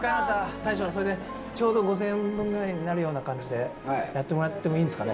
大将それでちょうど５０００円分ぐらいになるような感じでやってもらってもいいですかね？」